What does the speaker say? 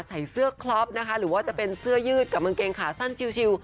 ใส่เสื้อคล็อปนะคะหรือว่าจะเป็นเสื้อยืดกับกางเกงขาสั้นชิล